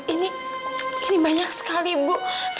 ini ini banyak sekali bu